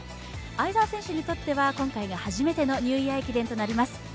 相澤選手にとっては今回が初めてのニューイヤー駅伝となります。